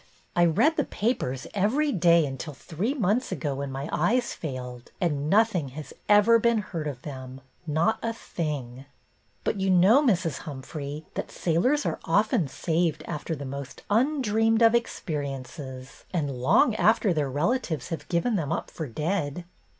I read the papers every day until BETTY BAIRD 232 three months ago when my eyes failed, and nothing has ever been heard of them, not a thing." " But you know, Mrs. Humphrey, that sailors are often saved after the most un dreamed of experiences and long after their relatives have given them up for dead."